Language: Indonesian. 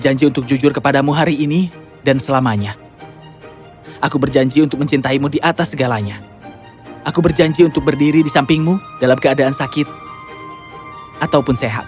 aku berjanji untuk berdiri di sampingmu dalam keadaan sakit ataupun sehat